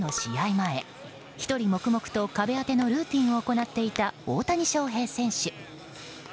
前、１人黙々と壁当てのルーティンを行っていた、大谷翔平選手。